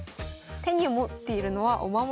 手に持っているのはお守り。